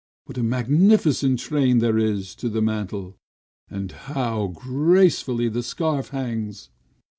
What a magnificent train there is to the mantle; and how gracefully the scarf hangs!"